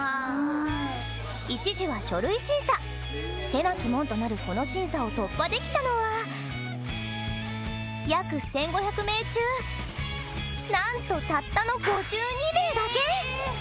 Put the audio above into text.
狭き門となるこの審査を突破できたのは約１５００名中なんとたったの５２名だけ！